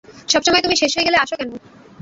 সবসময় তুমি শেষ হয়ে গেলে আসো কেন?